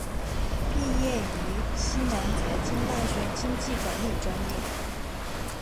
毕业于西南财经大学经济管理专业。